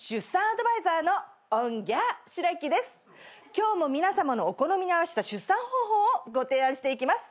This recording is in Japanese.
今日も皆さまのお好みに合わせた出産方法をご提案していきます。